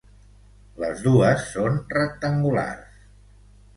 Les dues són rectangulars.